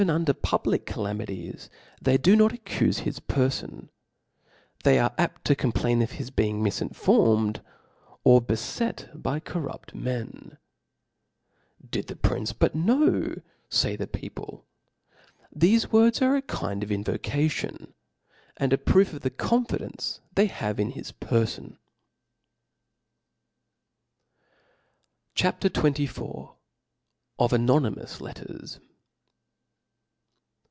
^ der public calamities they do not accufe his per* fon 5 they are apt to complajn of hij being mifin* formec}, or befet by corrupt men : Did the princ$ but know f fay the people •, thcfe words are a kind of invocation, an^ ^ proof of the conf^deqce they^ Jiavc in bis perfon, C H A P. XXIV. '/ Of Anonymous Letters.